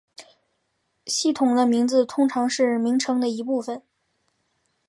系统的名字通常是名称的一部分。